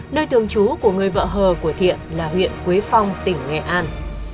nơi thường trú của người vợ hờ của thiện là huyện quế phong tỉnh nghệ an